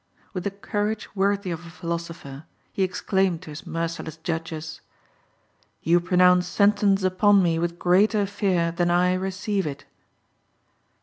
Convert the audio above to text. With a courage worthy of a philosopher, he exclaimed to his merciless judges, "You pronounce sentence upon me with greater fear than I receive it."